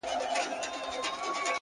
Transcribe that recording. عاجزي د احترام دروازې پرانیستې ساتي!